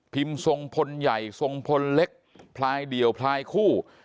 ทรงพลใหญ่ทรงพลเล็กพลายเดี่ยวพลายคู่